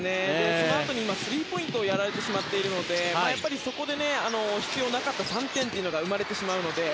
そのあとにスリーポイントをやられてしまっているのでやっぱり、そこで必要なかった３点が生まれてしまうので。